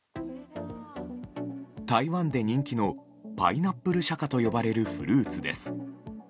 台湾で人気のパイナップル釈迦と呼ばれるフルーツです。